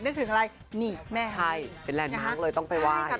นึกถึงอะไรนี่แม่ฮันนี่ใช่เป็นแหล่นมากเลยต้องไปไหว้ใช่ค่ะ